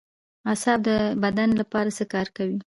اعصاب د بدن لپاره څه کار کوي